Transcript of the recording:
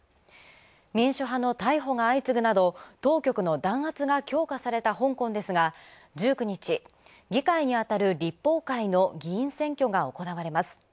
民主派の逮捕が相次ぐなど、当局の弾圧が強化された香港ですが、１９日、議会にあたる立法議員選挙が行われます。